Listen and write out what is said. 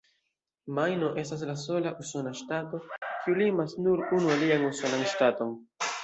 Majno estas la sola usona ŝtato, kiu limas nur unu alian usonan ŝtaton.